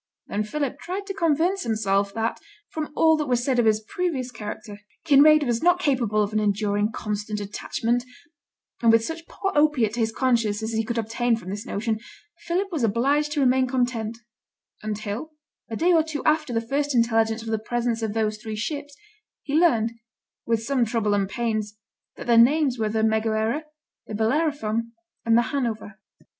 Then Philip tried to convince himself that, from all that was said of his previous character, Kinraid was not capable of an enduring constant attachment; and with such poor opiate to his conscience as he could obtain from this notion Philip was obliged to remain content, until, a day or two after the first intelligence of the presence of those three ships, he learned, with some trouble and pains, that their names were the Megoera, the Bellerophon, and the Hanover.